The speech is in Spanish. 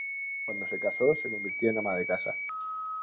Cuando se casó se convirtió en ama de casa.